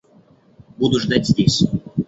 Буду ждать здесь.